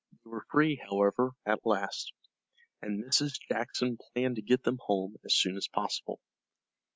They were free, however, at last, and Mrs. Jackson planned to get them home as soon as possible.